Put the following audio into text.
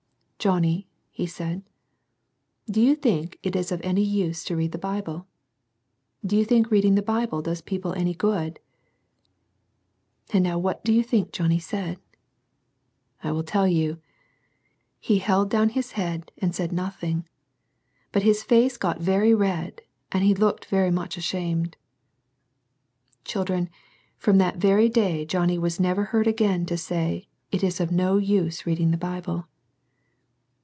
"Johnny," he said, "do you think it is of any use to read the Bible? Do you think reading the Bible does people any good ?" And now what do you think Johnny said? I will tell you. He held down his head, and said nothing. But his face got very red, and he looked very much ashamed. Children, from that very day Johnny was never heard again to say, "It is of no use reading the Bible."